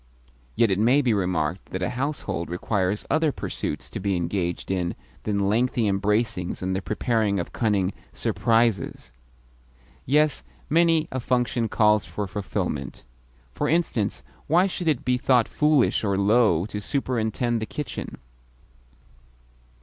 Yet it may be remarked that a household requires other pursuits to be engaged in than lengthy embracings and the preparing of cunning "surprises." Yes, many a function calls for fulfilment. For instance, why should it be thought foolish or low to superintend the kitchen?